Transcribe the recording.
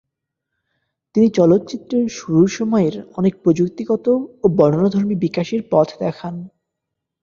তিনি চলচ্চিত্রের শুরুর সময়ের অনেক প্রযুক্তিগত ও বর্ণনাধর্মী বিকাশের পথ দেখান।